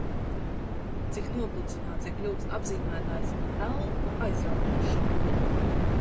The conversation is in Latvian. Cik noplicināts ir kļuvis apzīmētājs "elpu aizraujošs"!